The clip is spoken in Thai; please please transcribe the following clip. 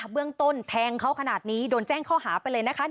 เบื้องต้นแทงเขาขนาดนี้โดนแจ้งข้อหาไปเลยนะคะ